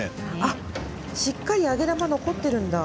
しっかり揚げ玉残っているんだ。